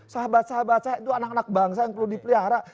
sahabat sahabat saya itu anak anak bangsa yang perlu dipelihara